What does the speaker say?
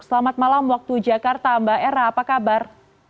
selamat malam waktu jakarta mbak era apa kabar